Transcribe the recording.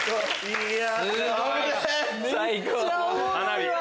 いや！